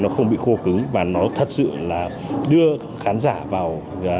nó không bị khô cứng và nó thật sự là đưa khán giả vào